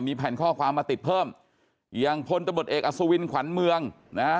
มีแผ่นข้อความมาติดเพิ่มอย่างพลตำรวจเอกอสุวินขวัญเมืองนะฮะ